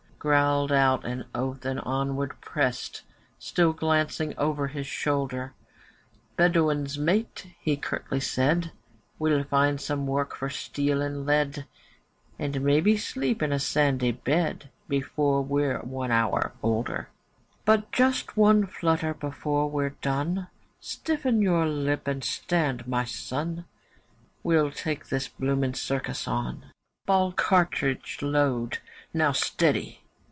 Growled out an oath and onward pressed, Still glancing over his shoulder. 'Bedouins, mate!' he curtly said; 'We'll find some work for steel and lead, And maybe sleep in a sandy bed, Before we're one hour older. 'But just one flutter before we're done. Stiffen your lip and stand, my son; We'll take this bloomin' circus on: Ball cartridge load! Now, steady!